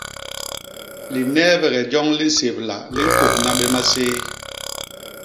Lineebege joñ li nsébla li ñkônha bé maséé.